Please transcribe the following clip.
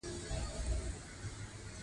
السير الصغير کتاب حسن الشيباني ليکی دی.